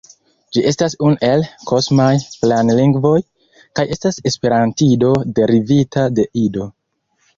Ĝi estas unu el "kosmaj planlingvoj" kaj estas esperantido derivita de Ido.